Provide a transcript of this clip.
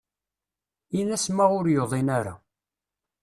Ini-as ma ur yuḍin ara.